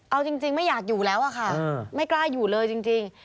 เอาจริงไม่อยากอยู่แล้วอะค่ะไม่กล้าอยู่เลยจริง